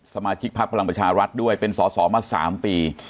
สมาชิกพัฒนาประชารัฐด้วยเป็นศศมา๓ปี